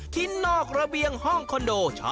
ที่นอกระเบียงห้องของคอนโดแห่งหนึ่ง